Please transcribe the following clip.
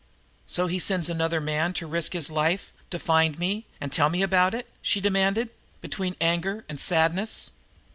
"So he sends another man to risk his life to find me and tell me about it?" she demanded, between anger and sadness.